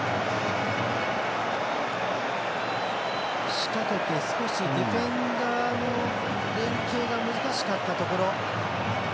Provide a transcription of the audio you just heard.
仕掛けて少しディフェンダーの連係が難しかったところ。